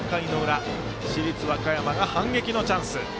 市立和歌山が反撃のチャンス。